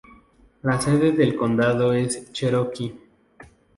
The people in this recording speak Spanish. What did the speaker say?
La sede del condado es Cherokee.